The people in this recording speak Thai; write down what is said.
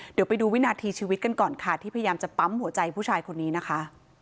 เดี๋ยวไปดูวินาทีชีวิตกันก่อนค่ะที่พยายามจะปั๊มหัวใจผู้ชายคนนี้นะคะ